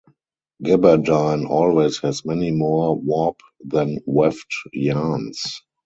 Gabardine always has many more warp than weft yarns.